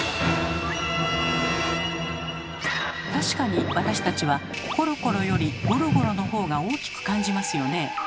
確かに私たちは「コロコロ」より「ゴロゴロ」の方が大きく感じますよね。